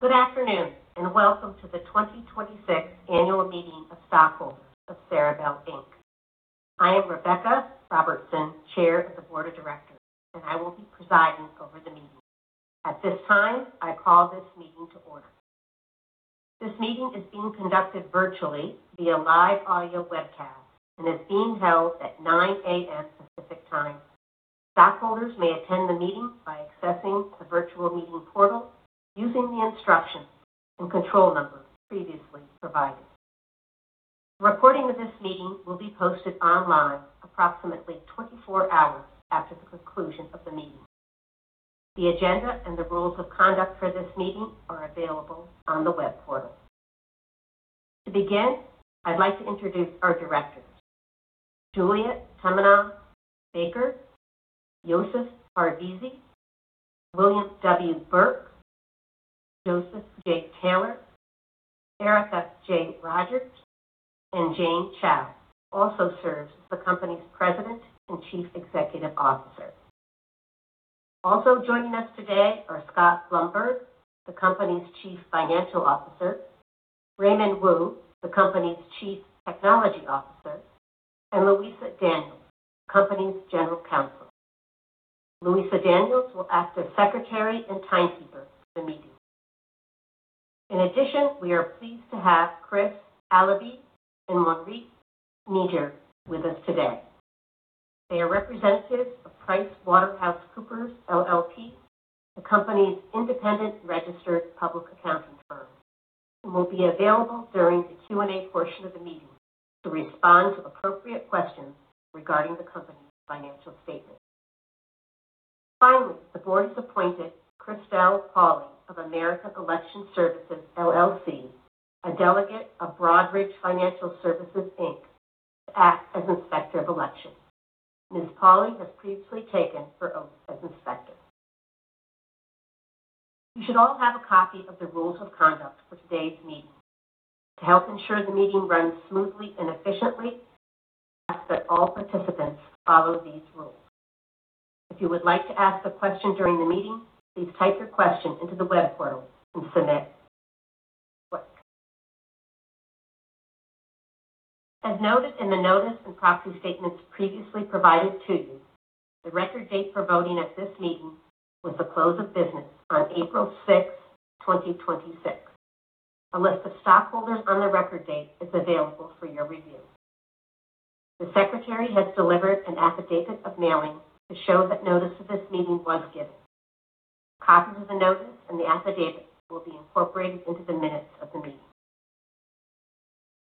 Good afternoon, welcome to the 2026 annual meeting of stockholders of Ceribell, Inc. I am Rebecca Robertson, Chair of the Board of Directors, and I will be presiding over the meeting. At this time, I call this meeting to order. This meeting is being conducted virtually via live audio webcast and is being held at 9:00 A.M. Pacific Time. Stockholders may attend the meeting by accessing the virtual meeting portal using the instruction and control number previously provided. A recording of this meeting will be posted online approximately 24 hours after the conclusion of the meeting. The agenda and the rules of conduct for this meeting are available on the web portal. To begin, I'd like to introduce our directors. Juliet Tammenoms Bakker, Josef Parvizi, William W. Burke, Joseph M. Taylor, Erica J. Rogers, and Jane Chao, who also serves as the company's President and Chief Executive Officer. Also joining us today are Scott Blumberg, the company's Chief Financial Officer, Raymond Woo, the company's Chief Technology Officer, and Louisa Daniels, the company's General Counsel. Louisa Daniels will act as secretary and timekeeper for the meeting. In addition, we are pleased to have Chris Alabi and Maurice Niger with us today. They are representatives of PricewaterhouseCoopers LLP, the company's independent registered public accounting firm, and will be available during the Q&A portion of the meeting to respond to appropriate questions regarding the company's financial statements. Finally, the board has appointed Christel Pauli of American Election Services, LLC, a delegate of Broadridge Financial Solutions, Inc., to act as Inspector of Elections. Ms. Pauli has previously taken her oath as inspector. You should all have a copy of the rules of conduct for today's meeting. To help ensure the meeting runs smoothly and efficiently, we ask that all participants follow these rules. If you would like to ask a question during the meeting, please type your question into the web portal and submit. As noted in the notice and proxy statements previously provided to you, the record date for voting at this meeting was the close of business on April 6th, 2026. A list of stockholders on the record date is available for your review. The Secretary has delivered an affidavit of mailing to show that notice of this meeting was given. Copies of the notice and the affidavit will be incorporated into the minutes of the meeting.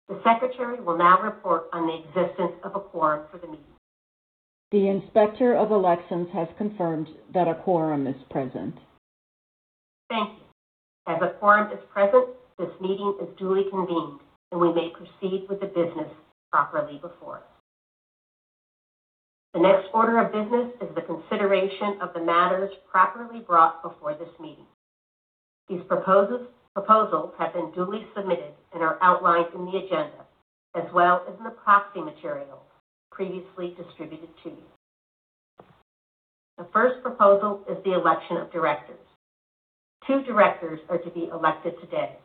The Secretary will now report on the existence of a quorum for the meeting. The Inspector of Elections has confirmed that a quorum is present. Thank you. As a quorum is present, this meeting is duly convened, and we may proceed with the business properly before us. The next order of business is the consideration of the matters properly brought before this meeting. These proposals have been duly submitted and are outlined in the agenda, as well as in the proxy materials previously distributed to you. The first proposal is the election of directors. Two directors are to be elected today.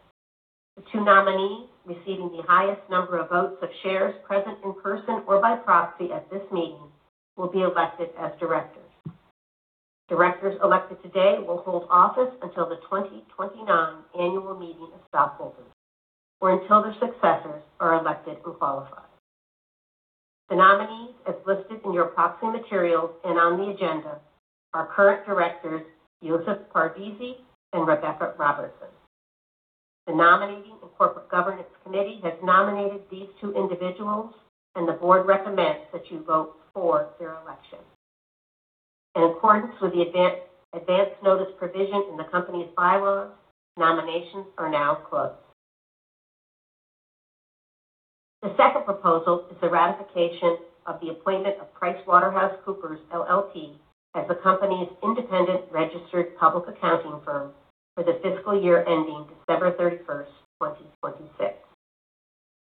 The two nominees receiving the highest number of votes of shares present in person or by proxy at this meeting will be elected as directors. Directors elected today will hold office until the 2029 annual meeting of stockholders or until their successors are elected who qualify. The nominees, as listed in your proxy materials and on the agenda, are current directors Josef Parvizi and Rebecca Robertson. The Nominating and Corporate Governance Committee has nominated these two individuals. The board recommends that you vote for their election. In accordance with the advance notice provision in the company's bylaws, nominations are now closed. The second proposal is the ratification of the appointment of PricewaterhouseCoopers LLP as the company's independent registered public accounting firm for the fiscal year ending December 31st, 2026.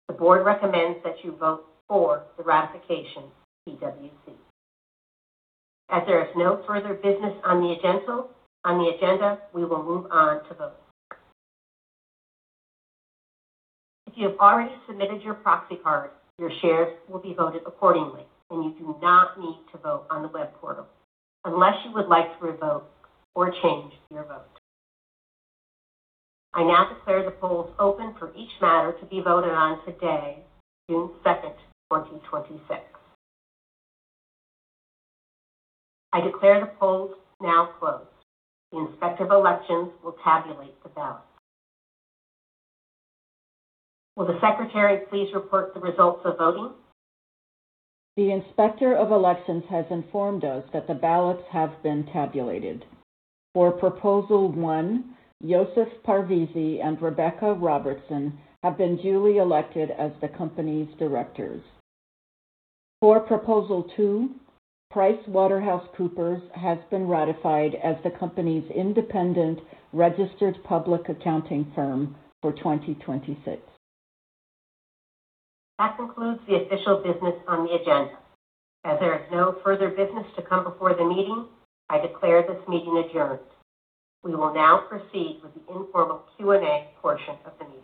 The board recommends that you vote for the ratification of PwC. As there is no further business on the agenda, we will move on to voting. If you have already submitted your proxy card, your shares will be voted accordingly, and you do not need to vote on the web portal unless you would like to revoke or change your vote. I now declare the polls open for each matter to be voted on today, June 2nd, 2026. I declare the polls now closed. The Inspector of Elections will tabulate the ballots. Will the Secretary please report the results of voting? The Inspector of Elections has informed us that the ballots have been tabulated. For Proposal One, Josef Parvizi and Rebecca Robertson have been duly elected as the company's directors. For Proposal Two, PricewaterhouseCoopers has been ratified as the company's independent registered public accounting firm for 2026. That concludes the official business on the agenda. As there is no further business to come before the meeting, I declare this meeting adjourned. We will now proceed with the informal Q&A portion of the meeting.